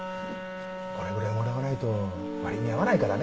これぐらいもらわないと割に合わないからね。